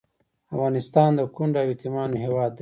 افغانستان د کونډو او یتیمانو هیواد دی